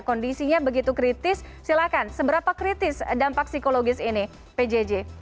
kondisinya begitu kritis silahkan seberapa kritis dampak psikologis ini pjj